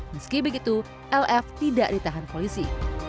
meski begitu lf tidak ditahan polisi